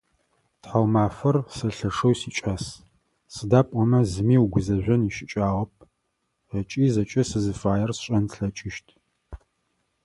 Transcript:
Тхьаумафэр сэ лъэшэу сикӏас, сыда пӏомэ зыми угузэжъон ищыкӏагъэп ыкӏи зэкӏэ сызыфаер сшӏэн слъэкӏыщт.